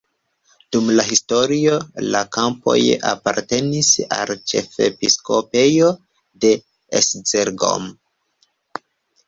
Dum la historio la kampoj apartenis al ĉefepiskopejo de Esztergom.